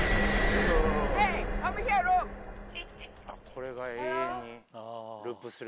これが永遠にループする。